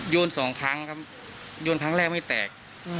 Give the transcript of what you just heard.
สองครั้งครับโยนครั้งแรกไม่แตก